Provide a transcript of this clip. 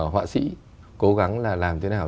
họa sĩ cố gắng là làm thế nào